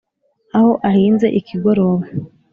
aho ahinze ikigoroba